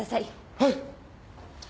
はい！